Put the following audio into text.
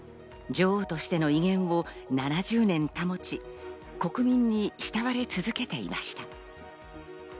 女王としての威厳を７０年保ち、国民に慕われ続けていました。